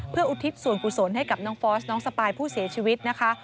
เพื่ออุทิศส่วนกุศลให้กับน้องฟอสน้องสปายผู้เสียชีวิตนะคะ